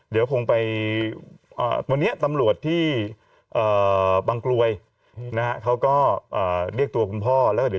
เดี๋ยวคงไปวันนี้ตำรวจที่บางกลวยนะฮะเขาก็เรียกตัวคุณพ่อแล้วเดี๋ยว